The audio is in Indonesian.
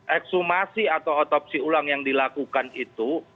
eksumasi atau otopsi ulang yang dilakukan itu